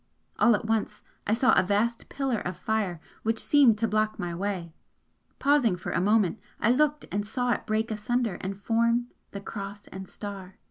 All at once I saw a vast Pillar of Fire which seemed to block my way, pausing a moment, I looked and saw it break asunder and form the Cross and Star!